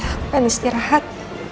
aku pengen istirahat